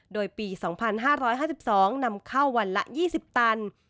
โดยปี๒๕๕๒นำเข้าวันละ๒๐ตัน